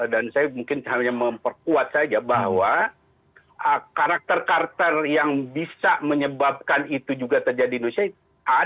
dan saya mungkin hanya memperkuat saja bahwa karakter karakter yang bisa menyebabkan itu juga terjadi di indonesia